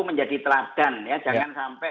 menjadi teladan jangan sampai